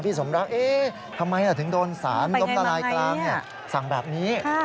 สมรักทำไมถึงโดนสารล้มละลายกลางสั่งแบบนี้